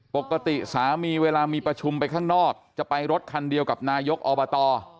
ปกติสามีเวลามีประชุมไปข้างนอกจะไปรถคันเดียวกับนายกอบต